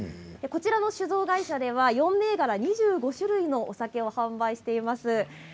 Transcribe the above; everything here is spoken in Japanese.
この酒造会社では４銘柄、２５種類のお酒を販売しています。